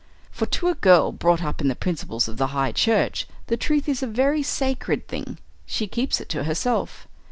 For to a girl brought up in the principles of the High Church the truth is a very sacred thing. She keeps it to herself.